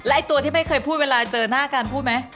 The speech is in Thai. แล้วไอตัวที่ไม่เคยพูดเวลาเจอหน้าการพูดมั้ย